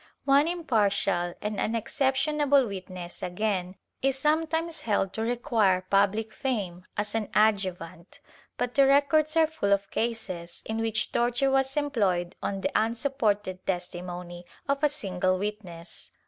One impartial and unexceptionable witness, again, is sometimes held to require public fame as an adjuvant, but the records are full of cases in which torture was employed on the unsupported testimony of a single witness.